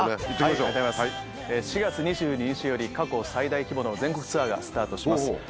４月２２日より過去最大規模の全国ツアーがスタートします。